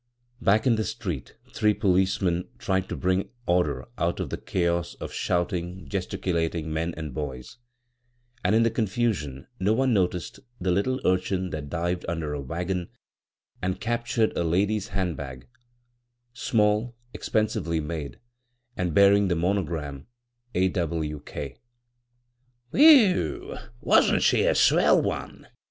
Back in the street three policemen tried to iMing order out of the chaos of shouting, ges _iv, Goog[c CROSS CURRENTS ttculating men and boys ; and in the confu sion no one noticed the little urchin that dived under a wa,g;on and captiued a lady's hand bag — small, expensively made, and bearing the monogram, " AWK," " Whew I Wa'n't she a swell one